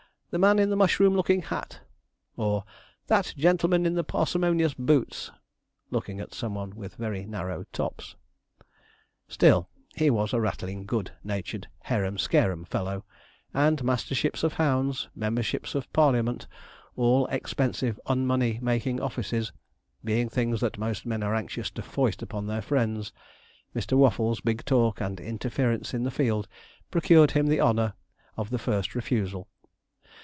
the man in the mushroom looking hat!' or, 'that gentleman in the parsimonious boots!' looking at some one with very narrow tops. [Illustration: MR. WAFFLES, THE PRESENT MASTER OF THE LAVERICK WELLS HOUNDS] Still, he was a rattling, good natured, harum scarum fellow; and masterships of hounds, memberships of Parliament all expensive unmoney making offices, being things that most men are anxious to foist upon their friends, Mr. Waffles' big talk and interference in the field procured him the honour of the first refusal.